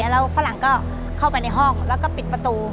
แล้วฝรั่งก็เข้าไปในห้องแล้วก็ปิดประตู